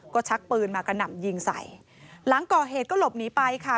ก็ชักปืนมากระหน่ำยิงใส่หลังก่อเหตุก็หลบหนีไปค่ะ